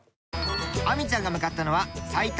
亜美ちゃんが向かったのはあっ！